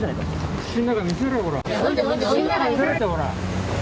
口の中見せろって、おら。